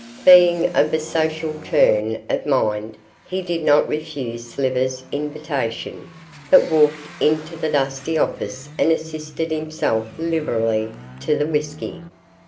Being of a social turn of mind, he did not refuse Slivers' invitation, but walked into the dusty office and assisted himself liberally to the whisky.